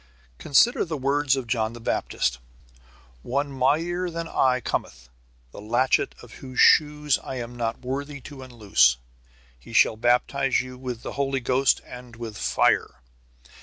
Consider the words of John the Baptist, "One mightier than I cometh, the latchet of whose shoes I am not worthy to unloose: he shall baptize you with the Holy Ghost and with fire."